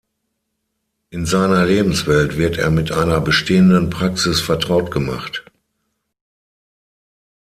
In seiner Lebenswelt wird er mit einer bestehenden Praxis vertraut gemacht.